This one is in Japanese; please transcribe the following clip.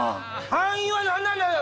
敗因は何なんだよ